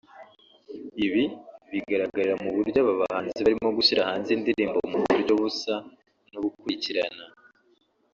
Ibi biragaragarira mu buryo aba bahanzi barimo gushyira hanze indirimbo mu buryo busa n’ubukurikirana